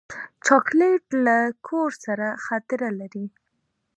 چاکلېټ له کور سره خاطره لري.